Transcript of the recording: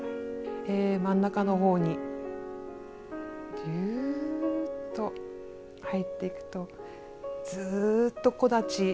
真ん中の方にギューッと入っていくとずーっと木立。